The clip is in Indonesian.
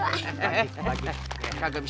lo gak peduli